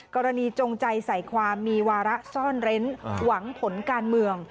จงใจใส่ความมีวาระซ่อนเร้นหวังผลการเมือง